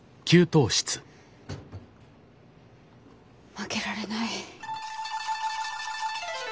負けられない。